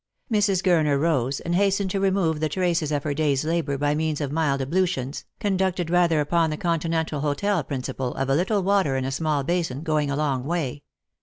Mrs. Gurner rose, and hastened to remove the traces of her day's labour by means of mild ablutions, conducted rather upon the continental hotel principle, of a little water in a small basin going a long way.